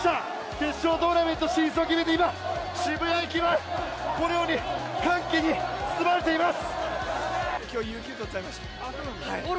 決勝トーナメント進出を決めて今、渋谷駅前、このように歓喜に包まれています。